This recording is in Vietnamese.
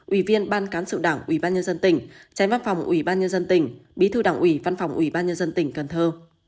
ủy viên ban cán sự đảng ủy ban nhân dân tỉnh tránh văn phòng ủy ban nhân dân tỉnh bí thư đảng ủy văn phòng ủy ban nhân dân tỉnh cần thơ